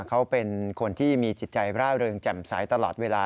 เขาเป็นคนที่มีจิตใจร่าเริงแจ่มใสตลอดเวลา